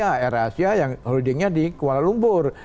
air asia yang holdingnya di kuala lumpur